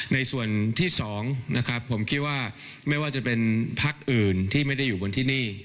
ในส่วนที่๒นะครับผมคิดว่าไม่ว่าจะเป็นพักอื่นที่ไม่ได้อยู่บนที่นี่